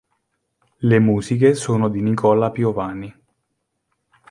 Le musiche sono di Nicola Piovani.